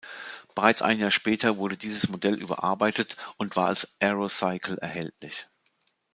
Bereits ein Jahr später wurde dieses Modell überarbeitet und war als „Aero Cycle“ erhältlich.